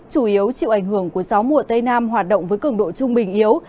chủ yếu chịu ảnh hưởng của gió mùa tây nam hoạt động với cường độ trung bình yếu